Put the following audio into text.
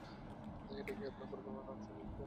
এটা কি আপনার পরিকল্পনার অংশ ছিল, স্যার?